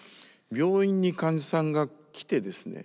病院に患者さんが来てですね